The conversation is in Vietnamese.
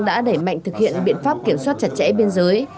đẩy mạnh thực hiện biện pháp kiểm soát chặt chẽ bên dưới